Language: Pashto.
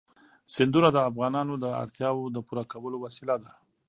سیندونه د افغانانو د اړتیاوو د پوره کولو وسیله ده.